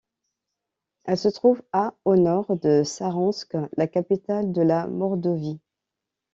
Elle se trouve à au nord de Saransk, la capitale de la Mordovie.